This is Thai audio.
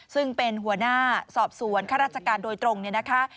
ซึ่งเป็นหัวหน้าสอบสวนข้าราชการโดยตรงเนี่ยนะคะ